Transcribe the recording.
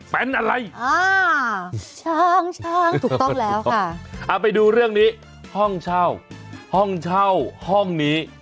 เป็นอะไรอ่าช้างช้างถูกต้องแล้วค่ะเอาไปดูเรื่องนี้ห้องเช่าห้องเช่าห้องนี้